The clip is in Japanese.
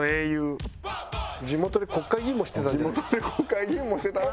地元で国会議員もしてた。